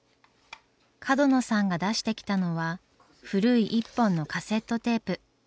角野さんが出してきたのは古い一本のカセットテープ。